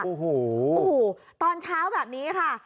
โอ้โหตอนเช้าแบบนี้ค่ะ